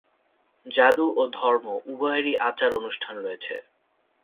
জাদু ও ধর্ম উভয়েরই আচার-অনুষ্ঠান রয়েছে।